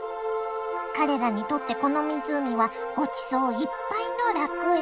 彼らにとってこの湖はごちそういっぱいの楽園。